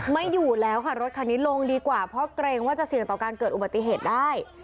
ไม่อยู่แล้วค่ะรถคันนี้ลงดีกว่าเพราะเกรงว่าจะเสี่ยงต่อการเกิดอุบัติเหตุได้